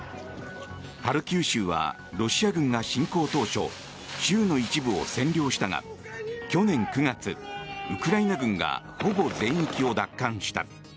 ハルキウ州はロシア軍が侵攻当初州の一部を占領したが去年９月、ウクライナ軍がほぼ全域を奪還した。